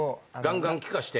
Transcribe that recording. ガンガン聞かせて。